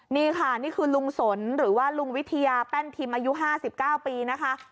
นี่ค่ะนี่คือลุงสนหรือว่าลุงวิทยาแป้นทิมอายุ๕๙ปีนะคะ